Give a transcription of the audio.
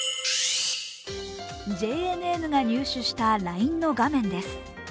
ＪＮＮが入手したＬＩＮＥの画面です。